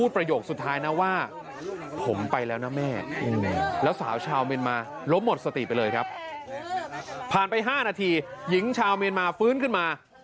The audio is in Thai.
ผมไปแล้วนะแม่แล้วสาวชาวเมียนมารบหมดสติไปเลยครับผ่านไป๕นาทีหญิงชาวเมียนมาฟื้นขึ้นมา